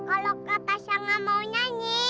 kalau kak tasya nggak mau nyanyi